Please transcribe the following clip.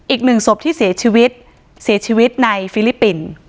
อีกหนึ่งศพที่เสียชีวิตในฟิลิปปินส์